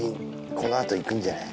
このあといくんじゃない？